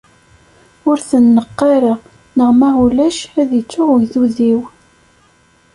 Ur ten-neqq ara, neɣ ma ulac ad ittu ugdud-iw.